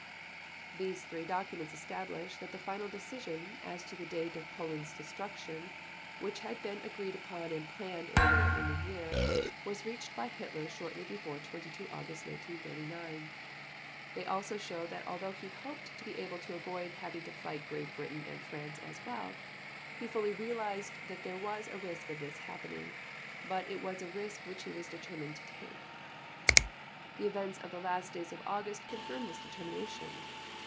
These three documents establish that the final decision as to the date of Poland's destruction, which had been agreed upon and planned earlier in the year, was reached by Hitler shortly before 22 August 1939. They also show that although he hoped to be able to avoid having to fight Great Britain and France as well, he fully realized there was a risk of this happening, but it was a risk which he was determined to take. The events of the last days of August confirm this determination.